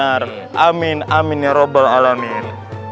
benar amin amin ya rabbal alamin